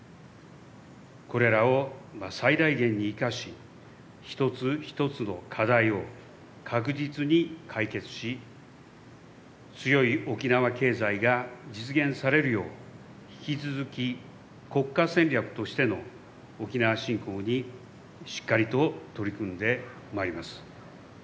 これらを最大限に活かし一つ一つの課題を確実に解決し強い沖縄経済が実現されるよう引き続き国家戦略としての沖縄振興にしっかりと取り組んでまいります。